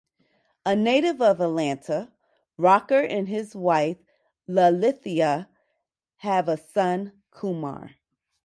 A native of Atlanta, Rocker and his wife, Lalitha, have a son, Kumar.